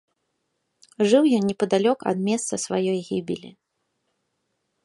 Жыў ён непадалёк ад месца сваёй гібелі.